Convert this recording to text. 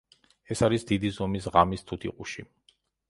ეს არის დიდი ზომის ღამის თუთიყუში.